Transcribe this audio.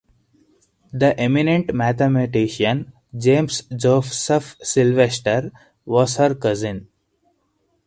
The eminent mathematician James Joseph Sylvester was her cousin.